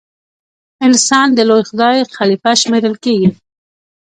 انسان د لوی خدای خلیفه شمېرل کیږي.